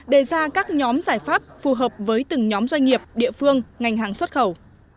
đề ra các nhóm giải pháp phù hợp với từng nhóm doanh nghiệp địa phương ngành hàng xuất khẩu